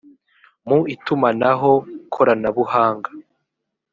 mu itumanaho koranabuhanga